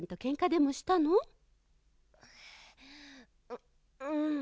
ううん。